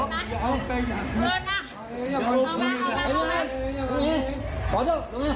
อยู่นี่มั้ยลูกล้อง